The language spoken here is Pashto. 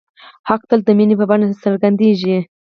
حق تل د مینې په بڼه څرګندېږي.